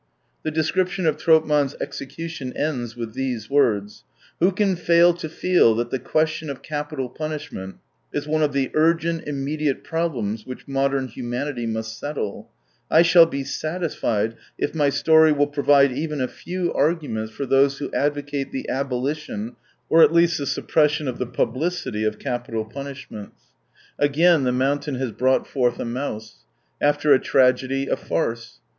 The description of Tropman's execution ends with these words :" Who can fail to feel that the question of capital punishment is one of the urgent, immediate problems which modern humanity must settle ? I shall be satisfied ... if my story will provide even a few arguments for those who advocate the abolition, or at least the suppression of the publicity of capital punishments." Again the mountain has 31 brought forth a mouse. After a tragedy, a farce.